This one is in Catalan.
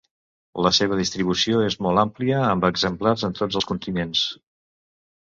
La seva distribució és molt àmplia, amb exemplars en tots els continents.